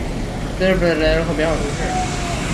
勒佩尔特尔人口变化图示